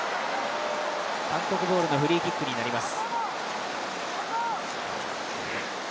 韓国ボールのフリーキックになります。